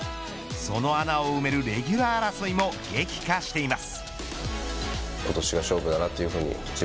その穴を埋めるレギュラー争いも激化しています。